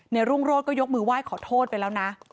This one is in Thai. รุ่งโรธก็ยกมือไหว้ขอโทษไปแล้วนะ